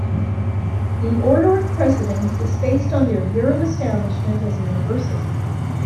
The order of precedence is based on their year of establishment as a university.